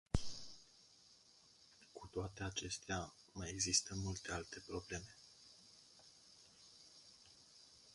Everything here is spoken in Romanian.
Cu toate acestea, mai există multe alte probleme.